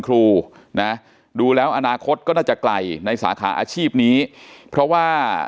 ครูนะดูแล้วอนาคตก็น่าจะไกลในสาขาอาชีพนี้เพราะว่า